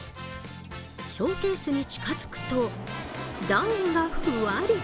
ショーケースに近づくとダウンがふわり。